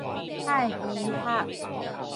漢醫學